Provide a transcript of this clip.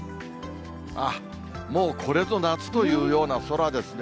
あー、もうこれぞ夏というような空ですね。